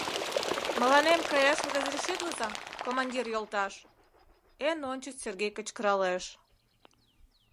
— Мыланем каяш разрешитлыза, командир йолташ! — эн ончыч Сергей кычкыралеш.